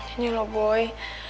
ini loh boy